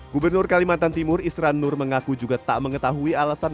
gubernur kalimantan timur isran nur mengaku juga tak mengetahui alasan